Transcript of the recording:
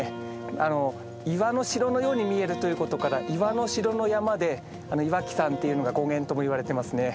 あの岩の城のように見えるということから岩の城の山で「岩木山」っていうのが語源ともいわれてますね。